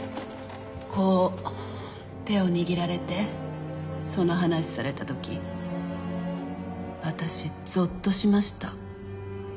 こう手を握られてその話された時私ぞっとしました。